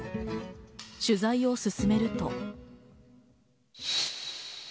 取材を進めると。